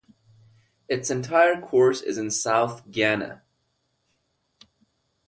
Its entire course is in south Ghana.